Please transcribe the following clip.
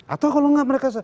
atau kalau gak mereka